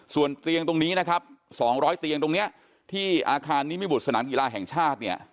ส่วนเตียงตรงนี้นะครับ๒๐๐เตียงตรงนี้ที่อาคารนิมิบุตรสนามกีฬาแห่งชาติเนี่ย